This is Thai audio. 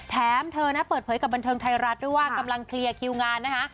แถมเธอนะเปิดเผยกับบันเทิงไทยรัฐด้วยว่ากำลังเคลียร์คิวงานนะคะ